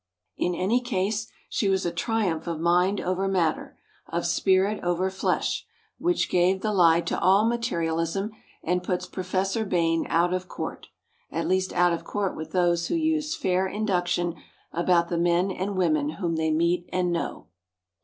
In any case, she was a triumph of mind over matter, of spirit over flesh, which gave the lie to all materialism, and puts Professor Bain out of court at least out of court with those who use fair induction about the men and women whom they meet and know."